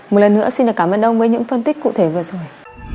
một lần nữa xin cảm ơn ông với những phân tích cụ thể vừa rồi